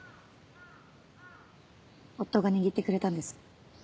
夫が握ってくれたんです。